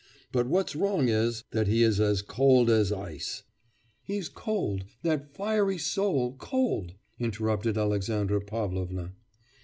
But what's wrong is, that he is as cold as ice.' 'He cold! that fiery soul cold!' interrupted Alexandra Pavlovna.